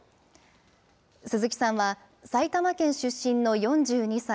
鈴木さんは、埼玉県出身の４２歳。